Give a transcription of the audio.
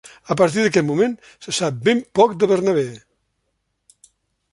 A partir d'aquest moment se sap ben poc de Bernabé.